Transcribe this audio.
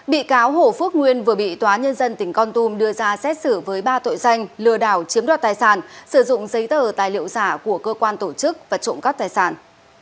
bị cáo hồ phước nguyên vừa bị tòa nhân dân tỉnh con tum đưa ra xét xử với ba tội danh lừa đảo chiếm đoạt tài sản sử dụng giấy tờ tài liệu giả của cơ quan tổ chức và trộm cắp tài sản